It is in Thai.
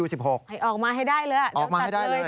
วิวิวเอาออกมาให้ได้เลย